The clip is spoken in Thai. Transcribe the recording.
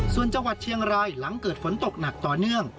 ส่วนจังหวัดเชียงรายหลังเกิดฝนตกหนักต่อเนื่อง